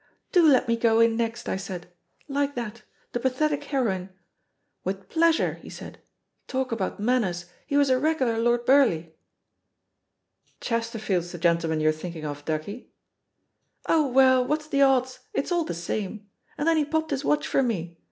T)o let me go in next!' I said. Like that — ^the pathetic heroine. *With pleasure,' he THE POSITION OF PEGGY HARPER 6T said. Talk about maimers, he was a regular Lord Burleigh." "Chesterfield's the gentleman you're thinking of, ducky." "Oh, well, what's the odds, it's all the same. And then he popped his watch for me.